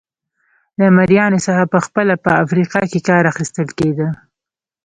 له مریانو څخه په خپله په افریقا کې کار اخیستل کېده.